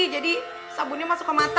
jadi sabunnya masuk ke mata